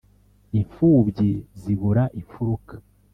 imfubyi zibura imfuruka